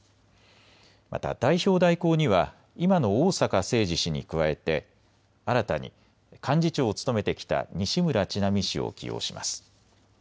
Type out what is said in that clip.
また代表代行には今の逢坂誠二氏に加えて新たに幹事長を務めてきた西村智奈美氏を起用します。